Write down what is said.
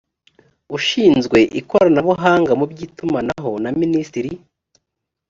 ushinzwe ikoranabuhanga mu by’itumanaho na minisitiri